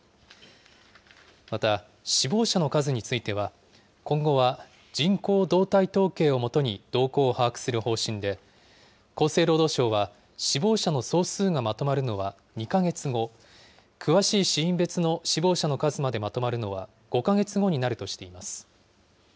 また、死亡者の数については、今後は人口動態統計をもとに動向を把握する方針で、厚生労働省は、死亡者の総数がまとまるのは２か月後、詳しい死因別の死亡者の数までまとまるのは５か月後になるとしています。